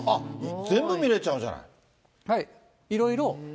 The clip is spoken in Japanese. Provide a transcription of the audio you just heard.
全部見れちゃうじゃない。